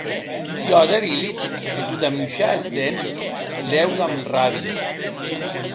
Piotr Ilich, en tot amuishar es dents, lèu damb ràbia.